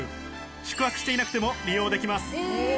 宿泊していなくても利用できます。